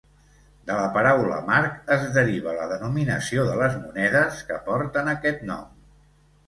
De la paraula marc és deriva la denominació de les monedes que porten aquest nom.